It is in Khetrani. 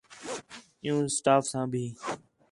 عِیّوں سٹاف ساں بھی